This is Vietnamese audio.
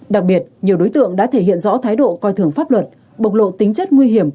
đặc biệt nhiều đối tượng đã thể hiện rõ thái độ coi thường pháp luật bộc lộ tính chất nguy hiểm